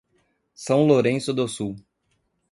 São Lourenço do Sul